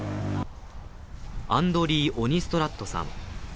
アンドリー・オニストラットさん。